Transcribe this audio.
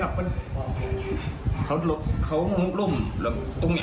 โอ้เฮคุณเฮ้แม่เบือดหน้านี้แม่อยากจะฟังเลยอะ